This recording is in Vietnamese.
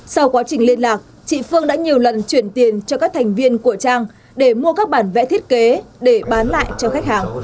sau quá trình liên lạc chị phương đã nhiều lần chuyển tiền cho các thành viên của trang để mua các bản vẽ thiết kế để bán lại cho khách hàng